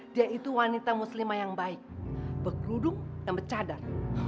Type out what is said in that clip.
dia itu wanita muslimah yang baik bekluduk dan becadar